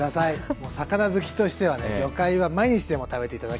もう魚好きとしてはね魚介は毎日でも食べて頂きたい。